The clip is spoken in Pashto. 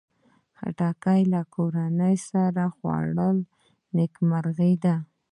خټکی له کورنۍ سره خوړل نیکمرغي ده.